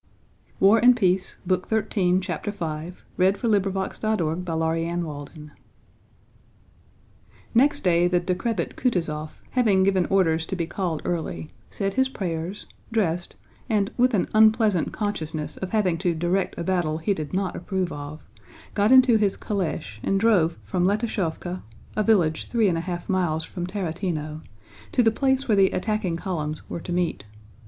to get Konovnítsyn into trouble. You'll see what a mess there'll be tomorrow." CHAPTER V Next day the decrepit Kutúzov, having given orders to be called early, said his prayers, dressed, and, with an unpleasant consciousness of having to direct a battle he did not approve of, got into his calèche and drove from Letashóvka (a village three and a half miles from Tarútino) to the place where the attacking columns were to meet.